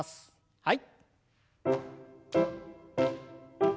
はい。